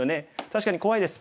確かに怖いです。